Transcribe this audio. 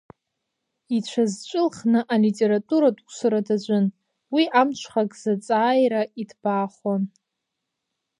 Иҽазҵәылхны алитературатә усура даҿын, уи амҽхак заҵааира иҭбаахон.